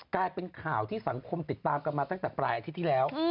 กลายเป็นข่าวที่สังคมติดตามกันมาตั้งแต่ปลายอาทิตย์ที่แล้ว